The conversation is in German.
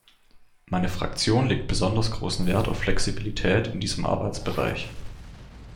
Meine Fraktion legt besonders großen Wert auf Flexibilität in diesem Arbeitsbereich.